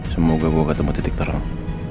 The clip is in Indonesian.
semoga gua ketemu titik terang